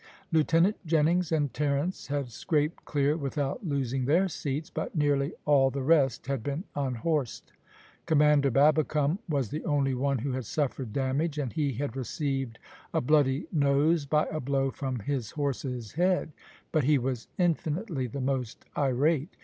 Lieutenant Jennings and Terence had scraped clear without losing their seats, but nearly all the rest had been unhorsed. Commander Babbicome was the only one who had suffered damage, and he had received a bloody nose by a blow from his horse's head, but he was infinitely the most irate.